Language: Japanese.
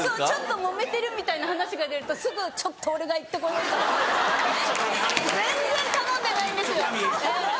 ちょっともめてるみたいな話が出るとすぐ「ちょっと俺が行って来よう」。